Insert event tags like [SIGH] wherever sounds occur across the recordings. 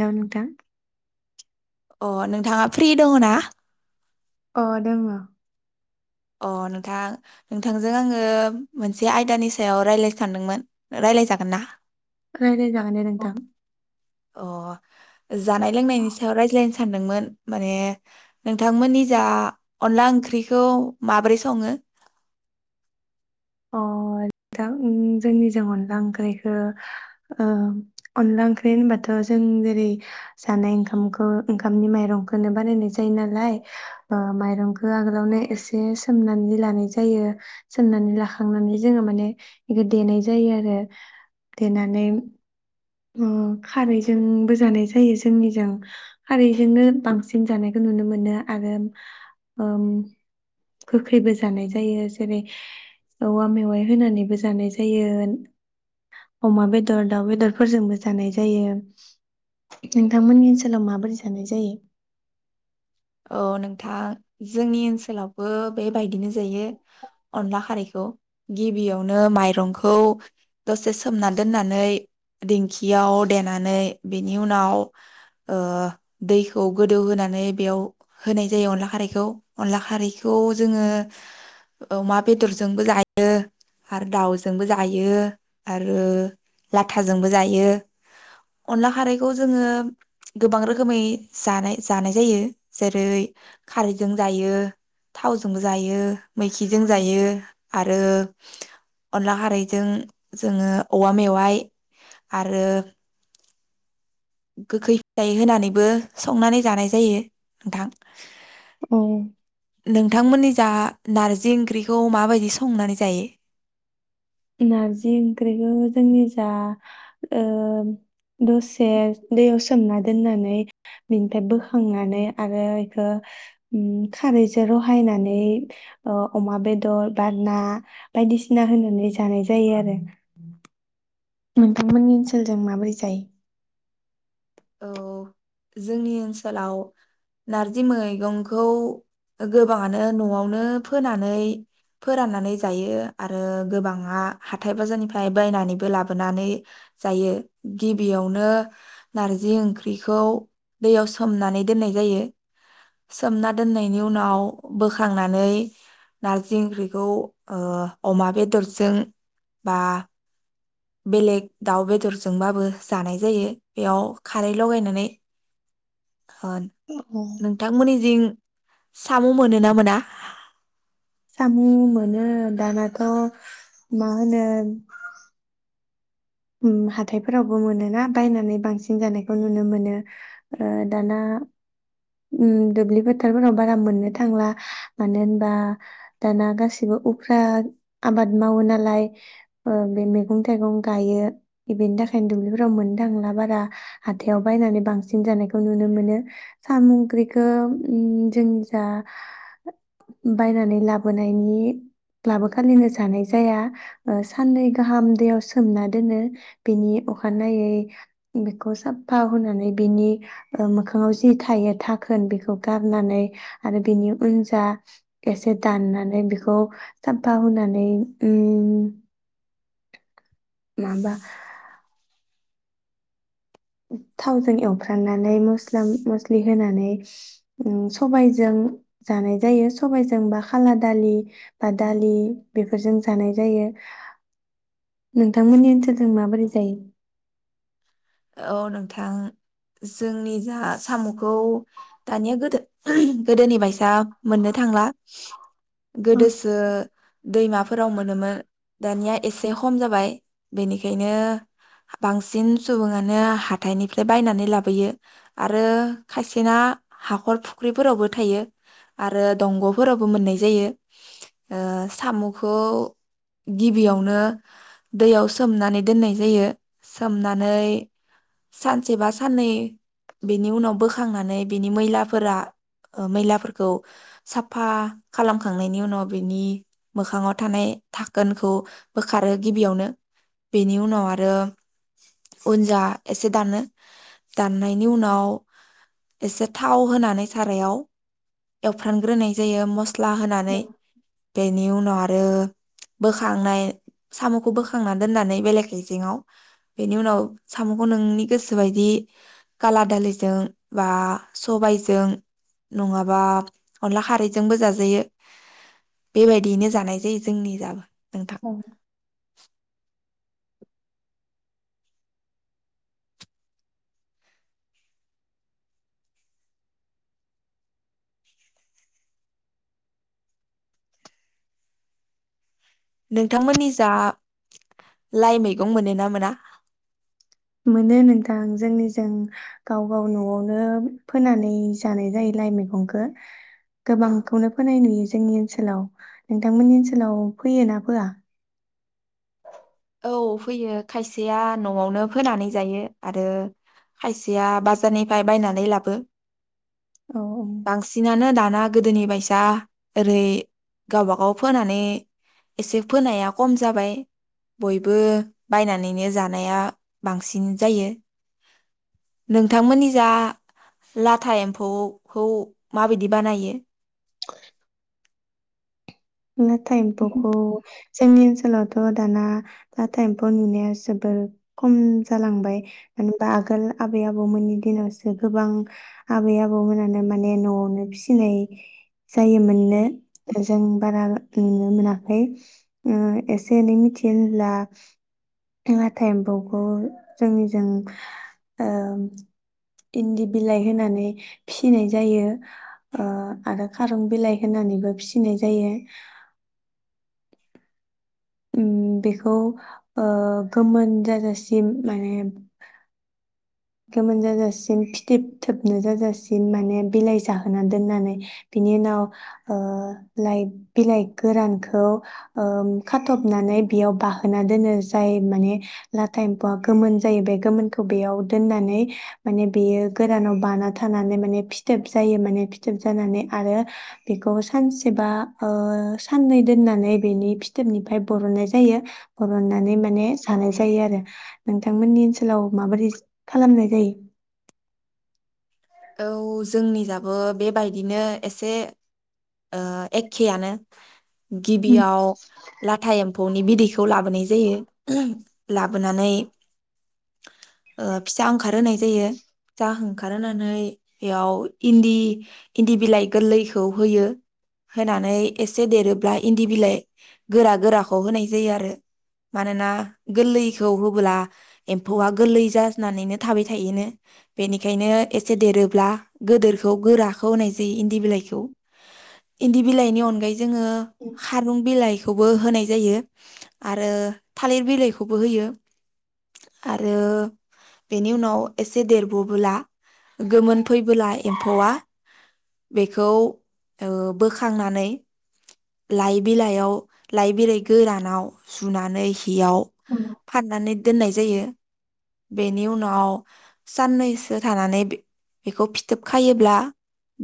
द नोंथां। अ नोंथाङा फ्रि दङ ना? अ दोङो। अ नोंथां नोंथांजों आङो मोनसे आयदानि सायाव रायलायनो सानदोंमोन रायलायजागोन ना? रायलाय जागोन दे नोंथां। अ जानाय लोंनायनि सायाव रायज्लायनो सानदोंमोन माने नोंथांमोननि जा अनला ओंख्रिखौ माब्रै सङो? अ नोंथां जोंनिजों अनला ओंख्रैखो ओ अनला ओंख्रि होनबाथ जों जेरै जानाय ओंखामखौ ओंखामनि माइरंखौनो बानायनाय जायो नालाय ओ माइरंखो आगोलावनो एसे सोमनानै लानाय जायो सोमनानै लाखा नानै जोङो माने बेखौ देनाय जायो आरो देनानै उम खारैजोंबो जानाय जायो जोंनिजा खारैजोंनो बांसिन जानायखौ नुनो मोनो आरो ओम गोखैबो जानाय जायो जेरै औवा मेवाइ होनानैबो जानाय जायो अमा बेदर दाउ बेदरफोरजोंबो जानाय जायो नोंथांमोननि ओनसोलाव माबोरै जानाय जायो? औ नोंथां जोंनि ओनसोलाव बो बेबायदिनो जायो अनला खारैखौ गिबियावनो माइरंखौ दसे सोमना दोननानै दिंखियाव देनानै बेनि उनाव ओ दैखौ गोदौहोनानै बेयाव होनाय जायो अनला खारैखौ अनला खारैखौ जोङो अमा बेदरजोंबो जायो आरो दाउजोंबो जायो आरो लाथाजोंबो जायो अनला खारैखौ जोङो गोबां रोखोमै जानाय जानाय जायो। जेरै खारैजों जायो थावजोंबो जायो मैखिजों जायो आरो अनला खारैजों जोङो औवा मेवाइ आरो गोखै फिथाइ होनानैबो संनानै जानाय जायो नोंथां अ नोंथांमोननि दा नार्जि ओंख्रिखौ माबायदि संनानै जायो? नारजि ओंख्रिखौ जोंनि जा ओ दसे दैयाव सोमना दोननानै बिनिफ्राय बोखांनानै आरो इखो खारैजों रहायनानै ओ अमा बेदर बा ना बायदिसिना होनानै जा जानाय जायो आरो नोंथांमोननि ओनसोलजों माबोरै जायो? औ जोंनि ओनसोलाव नारजि मैगंखौ गोबाङानो न'आवनो फोनानै फोराननानै जायो आरो गोबाङा हाथाय बाजारनिफ्राय बायनानैबो लाबोनानै जायो गिबियावनो नार्जि ओंख्रिखौ दैयाव सोमनानै दोननाय जायो सोमना दोननायनि उनाव बोखांनानै नारजि ओंख्रिखौ ओ अमा बेदरजों बा बेलेग दाउ बेदरजोंबाबो जानाय जायो बेयाव खारै‌ लगायनानै ओद जायो? नोंथांमोननि जिं सामु मोनो ना मोना? साम मोनो। दानाथ मा होनो? ओम हाथायफोरावबो मोनोना बायनानै बांसिन जानायखौ नुनो मोनो ओ दाना दुब्लि फोथारफोराव बारा मोननो थांला मानो होनबा दाना गासिबो उफ्रा आबाद मावो नालाय ओ बे मैगं थाइगं गायो। बेनि थाखायनो दुब्लिफोराव मोननो थांला बारा हाथायाव बायनानै बांसिन जानायखौ नुनो मोनो सामग्रिखौ जोंनि जा बायनानै लाबोनायनि लाबो खालिनो जानाय जाया साननै गाहाम दैयाव सोमना दोनो। बिनि अखानायै बेखौ साफा हुनानै बिनि मोखाङाव जि थायो थाखोन बेखौ गारनानै आरो बिनि उन जा एसे दाननानै बेखौ साफा हुनानै उम। माबा। थावजों एव सांनानै मस्ला मस्लि होनानै। सबाइजों जानाय जायो सबजों बा खाला दालि बा दालि बेफोरजों जानाय जायो। नोंथांमोननि ओनसोलजों माबोरै [INAUDIBLE] औ नोंथां जोंनि जा सामखौ दानिया गोदो गोदोनि बायसा मोननो थांला। गोदोसो दैमाफोराव मोनोमोन दानिया एसे खम जाबाय बेनिखायनो बांसिन सुबुङानो हाथायनिफाय बायनानै लाबोयो आरो खायसेना हाखर फुख्रिफोरावबो थायो आरो दंगफोराव बो मोन्नाय जायो ओ सामखो गिबियावनो दैयाव सोमनानै दोननाय जायो सोमना नै सानसे बा साननै बेनि उनाव बोखांनानै बिनि मैलाफोरा मैलाफोरखौ साफा खालामखांनायनि उनाव बिनि मोखाङाव थानाय थाखोनखौ बोखारो गिबियावनो बेनि उनाव आरो उनजा एसे दानो दाननायनि उनाव एसे थाव होनानै सारायाव एवफ्रानग्रोनाय जायो मस ख्ला होनानै। बेनि उनाव आरो बोखांनाय सामखौ बोखांनानै दोननानै बेलेख [UNINTELLIGIBLE] बेनि उनाव सामखौ नोंनि गोसोबायदि काला दालिजों बा सबायजों नङाबा अनला खारैजोंबो जाजायो बेबायदियैनो जानाय जायो जोंनि जाबो। नोंथां औ। नोंथांमोननि जा लाइ मैगं मोनो ना मोना? मोनो नोंथां जोंनिजों गाव गाव नआवनो फोनानै जानाय जायो लाइ मैगंखो गोबांखौनो फोनाय नुयो जोंनि ओनसोलाव नोंथांमोननि ओनसोलाव फैयोना फोआ? औ फैयो खायसेया नआवनो फोनानै जायो आरो खायसेया बाजारनिफ्राय बायनानै लाबो औ बांसिनानो दाना गोदोनि बायसा ओरै गावबागाव फोनानै एसे फोनाया खम जाबाय। बयबो बायनानैनो जानाया बांसिन जायो नोंथांमोननि जा लाथा एम्फौखौ माबायदि बानायो? [INAUDIBLE] लाथा एमफौखौ? जोंनि ओनसोलावथ दाना लाथा एम्फौ नुनाया जोबोर खम जालांबाय मानो होमबा आगोल आबै आबौमोननि दिनावसो गोबां आबै आबौमोनानो माने नआवनो फिनाय जायोमोन नो जों बारा नुनो मोनाखै उम एसे एनै मिथियो होनब्ला लाथा एम्फौखौ जोंनि जों ओम इन्दि बिलाइ होनानै फिसिनाय जायो ओ आरो खारं बिलाइ होनानैबो फिसिनाय जायो। [INAUDIBLE] उम बेखौ ओ गोमोन जाजासिम माने गोमोन जाजासिम फिथोबथोबनो जाजासिम माने बिलाइ जाहोना दोननानै बिनि उनाव ओ लाइ बिलाइ गोरानखौ ओ खाथबनानै बेयाव बाहोना दोनो जाय माने लाथा एम्फौआ गोमोन जायो बे गोमोनखौ बेयाव दोननानै माने बेयो गोरानाव बाना थानानै माने फिथोब जायो माने फिथोब जानानै आरो बेखौ सानसेबा ओ साननै दोननानै बेनि फिथोबनिफ्राय बरननाय जायो बरननानै माने जानाय जायो आरो नोंथांमोननि ओनसोलाव माबोरै? खालामनाय जायो? औ जोंनि जाबो बेबायदिनो एसे ओ एखेयानो। उम गिबियाव लाथा एम्फौनि बिदैखौ लाबोनाय जायो ला बोनानै ओ फिसा ओंखार होनाय जायो फिसा ओंखारहोनानै [UNINTELLIGIBLE] इयाव इन्दि इन्दि बिलाइ गोरलैखौ होयो होनानै एसे देरोब्ला इन्दि बिलाइ गोरा गोराखौ होनाय जायो आरो मानोना गोरलैखौ होब्ला एम्फौआ गोरलै जानानैनो थाबाय थायोनो बेनिखायनो एसे देरोब्ला गोदोरखौ गोराखौ होनाय जायो इन्दि बिलाइखौ इन्दि बिलाइनि अनगायै जोङो खारुं बिलाइ खौबो होनाय जायो आरो थालिर बिलाइखौबो होयो आरो बेनि उनाव एसे देरबोबोला गोमोन फैबोला एम्फौआ बेखौ ओ बोखांनानै लाइ बिलाइयाव लाइ बिलाइ गोरानाव जुनानै याव उम फाननानै दोननाय जायो बेनि उनाव साननैसो [UNINTELLIGIBLE] बेखौ [UNINTELLIGIBLE] खायोब्ला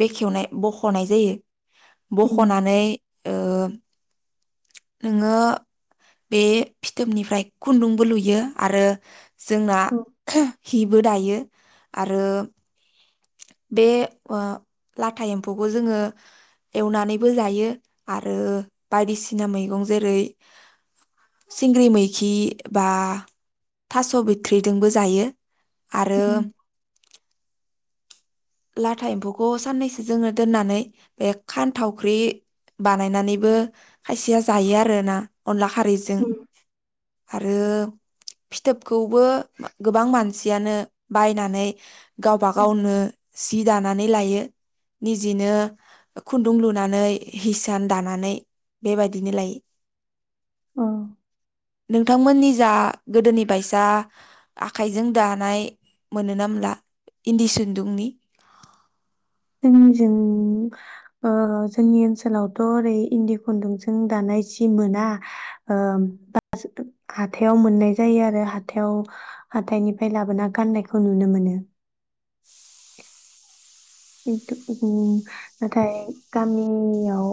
बेखेवनाय बखनाय जायो। उम बखनानै ओ नोङो बे फिथोबनिफ्राय खुन्दुंबो लुयो आरो जोंना हिबो दायो। आरो बे ओ लाथा एम्फौखौ जोङो एवनानैबो जायो आरो बायदिसिना मैगं जेरै सिंग्रि मैखि बा थास बिथ्रिजोंबो जायो। आरो लाथा एम्फौखौ साननैसो जोङो दोननानै बे खानथावख्रि बानायनानैबो खायसेया जायो आरोना अनला खारैजों आरो फिथोबखौबो गोबां मानसियानो बायनानै गावबा गावनो सि दानानै लायो निजेनो खुन्दुं लुनानै हिसान दानानै बेबायदिनो लायो। ओं नोंथांमोननि जा गोदोनि बायसा आखाइजों दानाय मोनो ना मोनला इन्दि सुन्दुंनि? जोंनिजों ओ जोंनि ओनसोलावथ' ओरै इन्दि खुन्दुंजों दानाय जि मोना ओ हाथायाव मोननाय जायो आरो हाथायाव हाथाइनिफ्राय लाबोना गाननायखौ नुनो मोनो। [UNINTELLIGIBLE] नाथाय गामियाव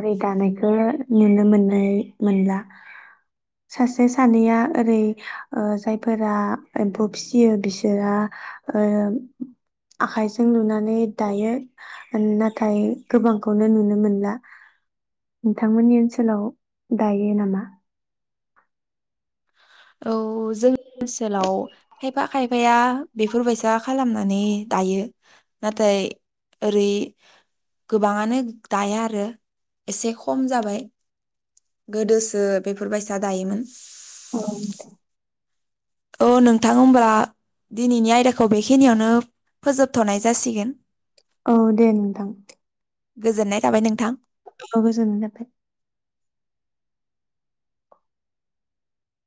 ओरै दानायखौ नुनो मोननाय मोनला सासे सानैया ओरै ओ जायफोरा एम्फौ फियो बिसोरा ओ आखाइजों लुनानै ने दायो नाथाय गोबांखौनो नुनो मोनला नोंथांमोननि ओनसोलाव दायो नामा? औ जोंनि ओनसोलाव खायफा खायफाया बेफोरबायसा खालामनानै दायो नाथाय ओरै गोबाङानो दाया आरो एसे खम जाबाय गोदोसो बेफोरबायसा दायोमोन। औ। औ नोंथां होमब्ला दिनैनि आयदाखौ बेखिनियावनो फोजोबथनाय जासिगोन। औ, दे नोंथां। गोजोननाय थाबाय नोंथां। अ गोजोननाय थाबाय।